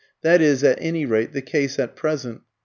That is at any rate the case at present.